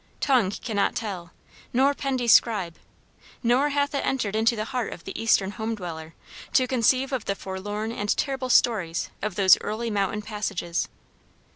Tongue cannot tell, nor pen describe, nor hath it entered into the heart of the eastern home dweller to conceive of the forlorn and terrible stories of those early mountain passages.